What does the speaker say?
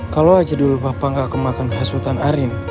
kalo aja dulu papa ga kemakan khas hutan arin